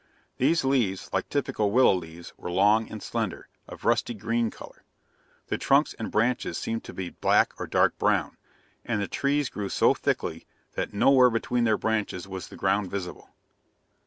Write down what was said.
These leaves, like typical willow leaves, were long and slender, of rusty green color. The trunks and branches seemed to be black or dark brown: and the trees grew so thickly that nowhere between their branches was the ground visible.